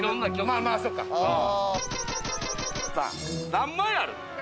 何枚ある？